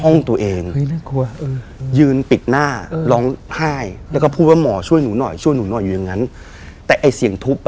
น่ากลัวเออ